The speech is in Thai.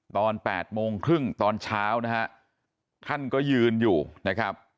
ตอน๘โมงครึ่งตอนเช้านะฮะท่านก็ยืนอยู่นะครับ